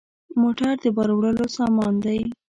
موټر د بار وړلو سامان دی.